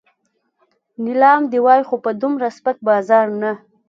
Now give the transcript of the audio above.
نیلام دې وای خو په دومره سپک بازار نه.